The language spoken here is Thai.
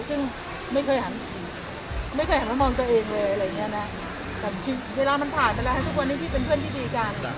ซึ่งไม่เคยเห็นมามองตัวเองเลยแต่เวลามันผ่านไปแล้วทุกวันนี้พี่เป็นเพื่อนที่ดีกัน